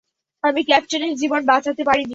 আমি ক্যাপ্টেনের জীবন বাঁচাতে পারিনি।